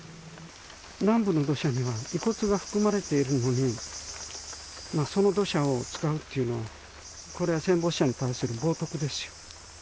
南部の土砂には遺骨が含まれているのに、その土砂を使うっていうのは、これは戦没者に対する冒とくですよ。